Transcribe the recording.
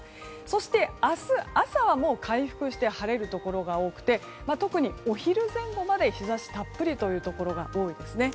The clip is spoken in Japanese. そして明日朝はもう回復して晴れるところが多くて特に、お昼前後まで日差したっぷりというところが多いですね。